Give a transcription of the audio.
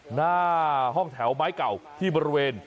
หน้าห้องแถวไม้เก่าที่บริเวณ